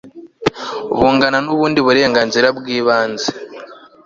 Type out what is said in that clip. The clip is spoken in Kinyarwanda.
bungana n'ubundi burenganzira bw'ibanze